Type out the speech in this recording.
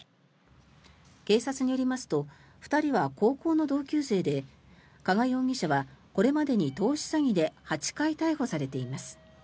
警察によりますと２人は高校の同級生で加賀容疑者はこれまでに投資詐欺で８回逮捕されています。